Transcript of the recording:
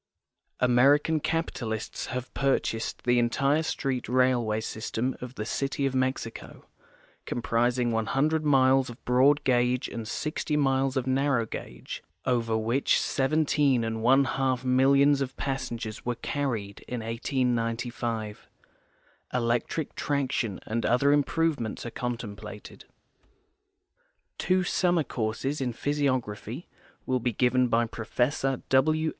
American capitalists have purchased the entire street railway system of the city of ^Mexico, comprising 100 miles of broad gauge and 60 miles of narrow gauge, over which seventeen and one half millions of passen gers were carried in 1895. Electric traction and other improvements are contemplated. Two summer courses in physiography will be given by Professor W.